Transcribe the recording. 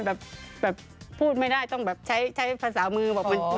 แบบพูดไม่ได้ต้องแบบใช้ภาษามือบอกมัน